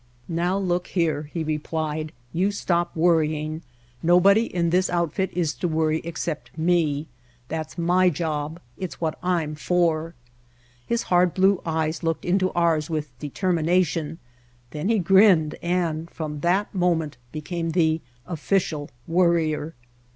"Now look here," he replied. "You stop wor The Outfit rying. Nobody in this outfit is to worry except me. That's my job. It's what I'm for." His hard blue eyes looked into ours with determination, then he grinned and from that moment became the Official Worrier.